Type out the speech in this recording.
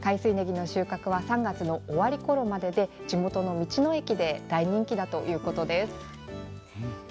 海水ねぎの収穫は３月の終わりころまでで地元の道の駅で大人気だということです。